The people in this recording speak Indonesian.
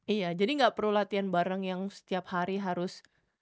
iya jadi gak perlu latihan bareng yang setiap hari harus